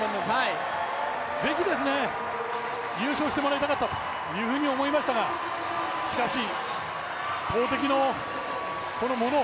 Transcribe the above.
是非、優勝してもらいたかったというふうに思いましたがしかし、投てきのもの